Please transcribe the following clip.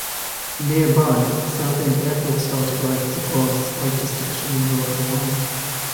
Nearby Southend Airport started life as a grass fighter station in World War One.